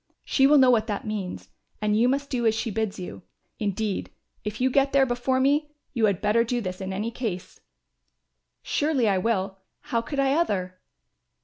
She will know what that means and you must do as she bids you. Indeed, if you get there before me, you had better do this in any case." "Surely I will; how could I other?"